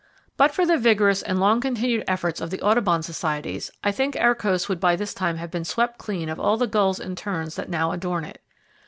—But for the vigorous and long continued efforts of the Audubon Societies, I think our coasts would by this time have been swept clean of the gulls and terns that now adorn it.